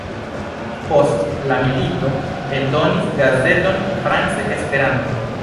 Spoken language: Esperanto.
Post la milito eldonis gazeton France-Esperanto.